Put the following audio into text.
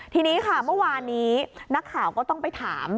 ทีนี้ค่ะเมื่อวานนี้นักข่าวก็ต้องไปถาม